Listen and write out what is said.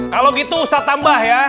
kalau gitu usah tambah ya